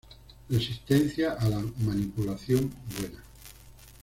Resistencia a la manipulación buena.